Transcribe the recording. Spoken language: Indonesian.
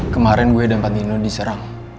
kemarin gue dan pandino diserang